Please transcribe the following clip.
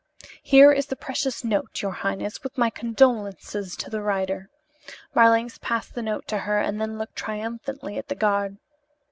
Here is the precious note, your highness, with my condolences to the writer." Marlanx passed the note to her and then looked triumphantly at the guard.